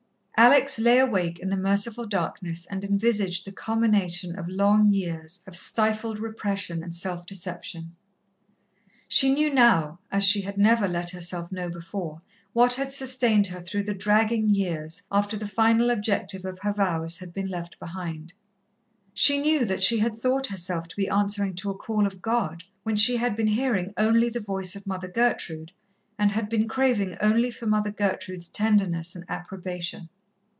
Alex lay awake in the merciful darkness and envisaged the culmination of long years of stifled repression and self deception. She knew now, as she had never let herself know before, what had sustained her through the dragging years after the final objective of her vows had been left behind. She knew that she had thought herself to be answering to a call of God, when she had been hearing only the voice of Mother Gertrude, and had been craving only for Mother Gertrude's tenderness and approbation.